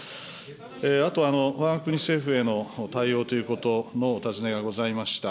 あと、わが国政府への対応ということのお尋ねがございました。